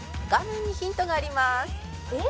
「画面にヒントがあります」